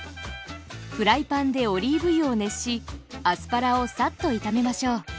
フライパンでオリーブ油を熱しアスパラをサッと炒めましょう。